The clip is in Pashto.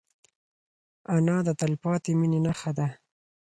انا د تلپاتې مینې نښه ده